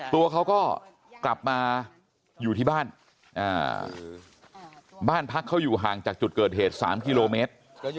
ตัวเขาก็กลับมาอยู่ที่บ้านบ้านพักเขาอยู่ห่างจากจุดเกิดเหตุ๓กิโลเมตร